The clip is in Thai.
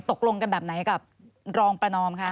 ตกลงกันแบบไหนกับรองประนอมคะ